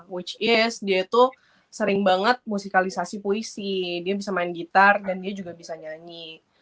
which is dia itu sering banget musikalisasi puisi dia bisa main gitar dan dia juga bisa nyanyi